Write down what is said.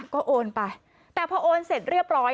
ก็โอนไปแต่พอโอนเสร็จเรียบร้อย